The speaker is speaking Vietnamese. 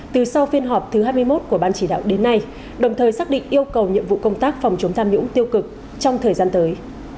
từ sau phiên họp thứ hai mươi một của ban chỉ đạo đến nay đồng thời xác định yêu cầu nhiệm vụ công tác phòng chống tham nhũng tiêu cực trong thời gian tới